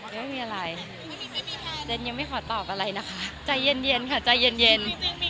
ไม่มีอะไรเจนยังไม่ขอตอบอะไรนะคะใจเย็นค่ะใจเย็น